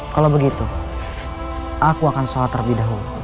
kalau begitu aku akan sholat terlebih dahulu